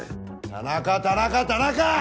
田中田中田中！